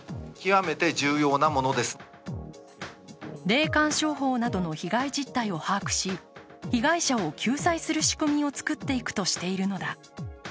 霊感商法などの被害実態を把握し被害者を救済する仕組みを作っていくとしているのだ。